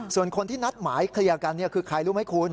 ส่วนคนที่นัดหมายเคลียร์กันคือใครรู้ไหมคุณ